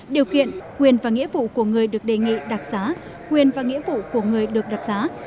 điều kiện quyền và nghĩa vụ của người được đề nghị đặc giá quyền và nghĩa vụ của người được đặc giá